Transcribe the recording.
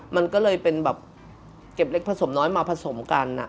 มันก็เลยเป็นแบบเก็บเล็กผสมน้อยมาผสมกัน